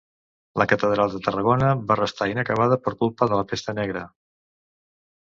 La catedral de Tarragona va restar inacabada per culpa de la Pesta Negra.